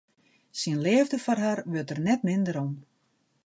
Syn leafde foar har wurdt der net minder om.